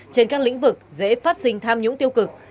trên các lĩnh vực dễ phát sinh tham nhũng tiêu cực